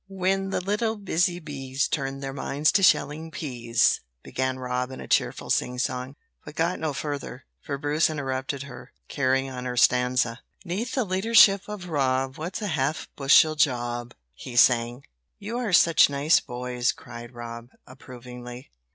"When the little busy B's Turn their minds to shelling peas," began Rob in a cheerful sing song, but got no further, for Bruce interrupted her, carrying on her stanza, "'Neath the leadership of Rob, What's a half bushel job?" he sang. "You are such nice boys," cried Rob, approvingly.